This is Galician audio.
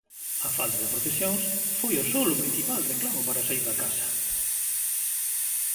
A falta de procesións, foi o sol o principal reclamo para saír da casa.